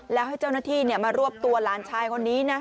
แล้วให้เจ้าหน้าที่มารวบตัวหลานชายคนนี้นะ